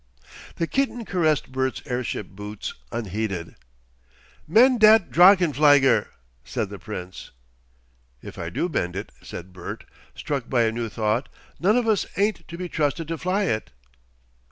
The kitten caressed Bert's airship boots unheeded. "Mend dat drachenflieger," said the Prince. "If I do mend it," said Bert, struck by a new thought, "none of us ain't to be trusted to fly it."